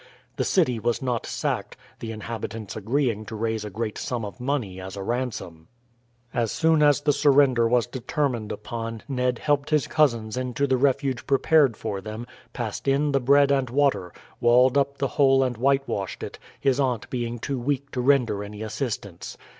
The city was not sacked, the inhabitants agreeing to raise a great sum of money as a ransom. As soon as the surrender was determined upon, Ned helped his cousins into the refuge prepared for them, passed in the bread and water, walled up the hole and whitewashed it, his aunt being too weak to render any assistance.